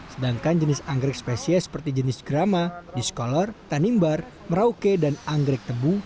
sedangkan jenis anggrek spesies seperti jenis grama discolor tanimbar merauke dan anggrek tebu